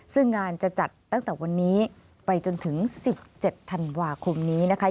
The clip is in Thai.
ซึ่งงานจะจัดตั้งแต่วันนี้ไปจนถึง๑๗ธันวาคมนี้นะคะ